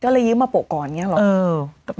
ก็เลยยืมมาโป๊ะก่อนไงหรอ